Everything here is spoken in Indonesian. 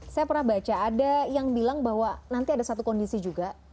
saya pernah baca ada yang bilang bahwa nanti ada satu kondisi juga